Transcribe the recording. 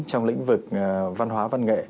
trong lĩnh vực văn hóa văn nghệ